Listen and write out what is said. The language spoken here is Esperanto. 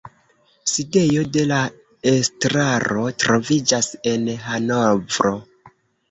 Sidejo de la estraro troviĝas en Hanovro.